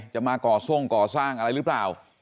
มาก่อทรงก่อสร้างอะไรหรือเปล่า